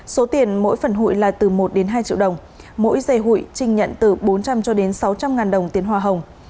số tiền mỗi phần hụi là từ một đến hai triệu đồng mỗi dây hụi trình nhận từ bốn trăm linh cho đến sáu trăm linh ngàn đồng tiền hoa hồng